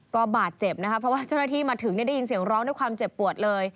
ก็บาดเจ็บนะคะเพราะว่าเจ้าหน้าที่มาถึงได้ยินเสียงร้องด้วยความเจ็บปวดเลย